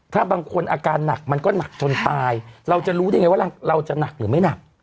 ถ้าบางคนอาการหนักมันก็หนักจนตายเราจะรู้ได้ไงว่าเราจะหนักหรือไม่หนัก